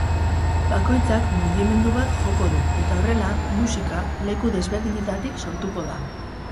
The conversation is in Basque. Bakoitzak mugimendu bat joko du eta horrela, musika leku desberdinetatik sortuko da.